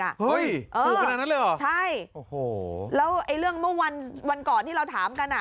เฮ้ยถูกขนาดนั้นเลยเหรอใช่โอ้โหแล้วไอ้เรื่องเมื่อวันวันก่อนที่เราถามกันอ่ะ